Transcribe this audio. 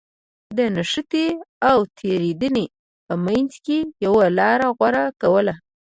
د نښتې او تېرېدنې په منځ کې يوه لاره غوره کوله.